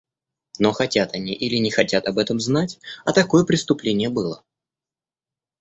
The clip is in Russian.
Но хотят они или не хотят об этом знать, а такое преступление было.